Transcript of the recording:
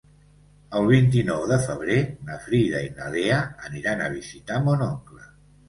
El vint-i-nou de febrer na Frida i na Lea aniran a visitar mon oncle.